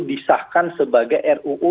disahkan sebagai ruu